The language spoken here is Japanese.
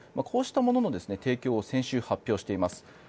こうしたものの提供を先週、発表しています。